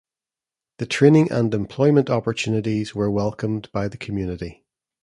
The training and employment opportunities were welcomed by the community.